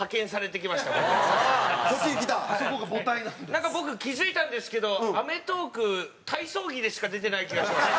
なんか僕気づいたんですけど『アメトーーク』体操着でしか出てない気がします。